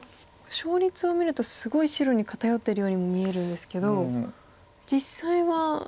勝率を見るとすごい白に偏ってるようにも見えるんですけど実際は。